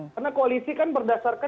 karena koalisi kan berdasarkan